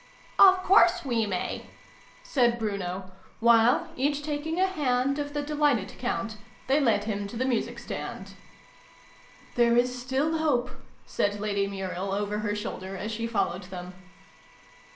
" Of course we may !" said Bruno, while, each taking a hand of the delighted Count, they led him to the music stand. " There is still hope !" said Lady Muriel over her shoulder, as she followed them.